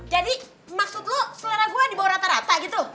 jadi maksud lo selera gue dibawah rata rata gitu